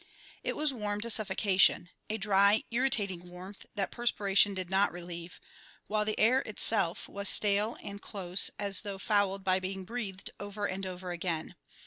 It was warm to suffocation, a dry, irritating warmth that perspiration did not relieve, while the air itself was stale and close as though fouled by being breathed over and over again.